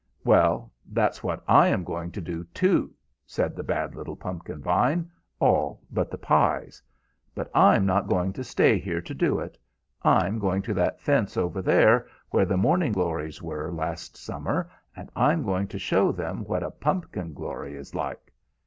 ] "'Well, that's what I am going to do, too,' said the bad little pumpkin vine, 'all but the pies; but I'm not going to stay here to do it. I'm going to that fence over there, where the morning glories were last summer, and I'm going to show them what a pumpkin glory is like.